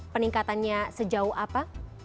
tingkatannya sejauh apa